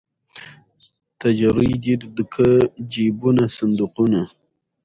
تجرۍ دي که جېبونه صندوقونه